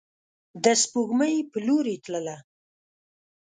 د سپوږمۍ په لوري تلله